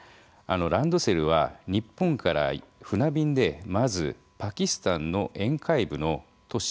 ランドセルは日本から船便でまずパキスタンの沿海部の都市